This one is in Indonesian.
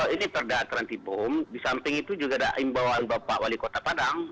ini perda terhenti bom disamping itu juga ada imbauan bapak wali kota padang